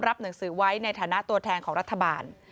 หนังสือไว้ในฐานะตัวแทนของรัฐบาล